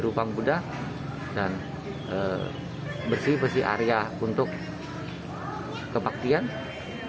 rupang buddha dan bersih bersih area untuk kebaktian secara puja bakti di